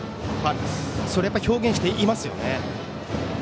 それを表現していますよね。